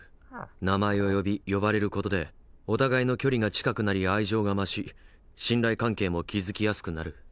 名前を呼び呼ばれることでお互いの距離が近くなり愛情が増し信頼関係も築きやすくなる。